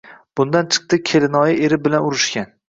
Bundan chiqdi, Kelinoyi eri bilan urushgan.